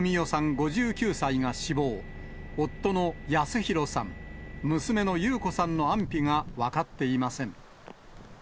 ５９歳が死亡、夫の保啓さん、娘の優子さんの安否が分かっていません。